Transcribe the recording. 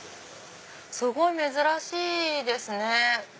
すごい珍しいですね。